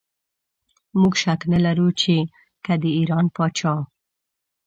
موږ شک نه لرو چې که د ایران پاچا.